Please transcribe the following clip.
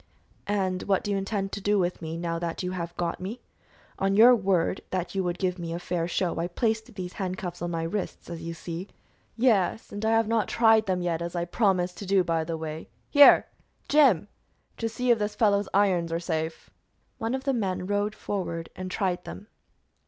"And what do you intend to do with me, now that you have got me? On your word that you would give me a fair show, I placed these handcuffs on my wrists, as you see." "Yes, and I have not tried them yet, as I promised to do, by the way. Here, Jim, just see if this fellow's irons are safe." One of the men rode forward and tried them.